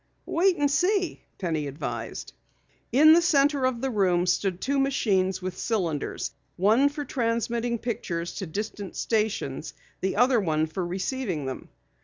"Watch and see," Penny advised. In the center of the room stood two machines with cylinders, one for transmitting pictures to distant stations, the other for receiving them.